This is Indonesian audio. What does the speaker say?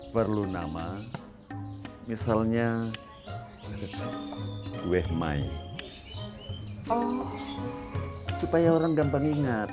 bebas sih kamu bang